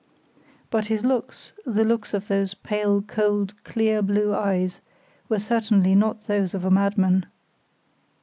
But his looks, the looks of those pale, cold, clear, blue eyes, were certainly not those of a madman.